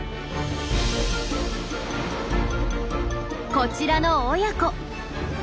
こちらの親子。